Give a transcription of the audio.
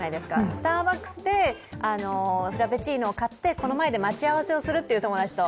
スターバックスで、フラペチーノを買ってこの前で待ち合わせをするという、友達と。